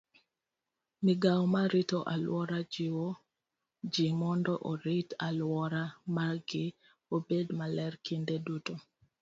Migao marito aluora jiwo ji mondo orit alwora margi obed maler kinde duto.